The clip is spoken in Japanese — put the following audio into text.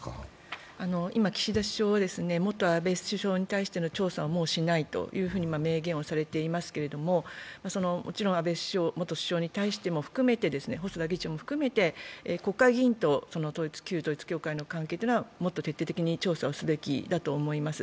今、岸田首相は元安倍首相に対しての調査はもうしないというふうに明言をしていますけれども、もちろん安倍元首相も細田議長も含めて、国会議員と旧統一教会との関係はもっと徹底的に調査をすべきだと思います。